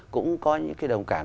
cũng có những cái đồng cảm